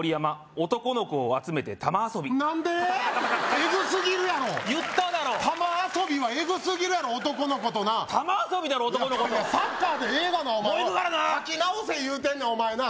エグすぎるやろ言っただろたま遊びはエグすぎるやろたま遊びだろ男の子とサッカーでええがなもう行くからな書き直せ言うてんねんお前なあ